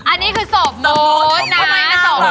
อันนี้คือโศกโฟสนะ